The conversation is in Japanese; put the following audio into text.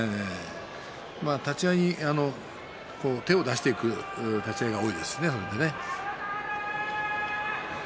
立ち合い、手を出していく立ち合いが多いですね。